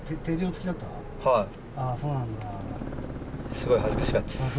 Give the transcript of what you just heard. すごい恥ずかしかったです。